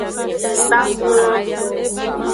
Saxulan.